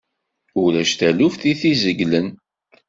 Ulac taluft i t-izegglen.